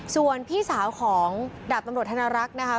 ส่วนพี่สาวของดาบตำรวจธนรักษ์นะคะ